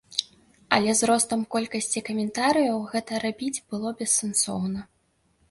Але з ростам колькасці каментарыяў гэта рабіць было бессэнсоўна.